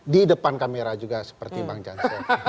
di depan kamera juga seperti bang jansen